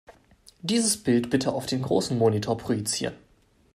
Dieses Bild bitte auf den großen Monitor projizieren.